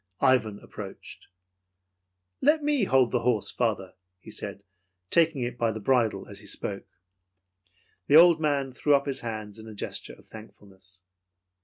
Ivan approached. "Let me hold the horse, father," he said, taking it by the bridle as he spoke. The old man threw his hands up in a gesture of thankfulness.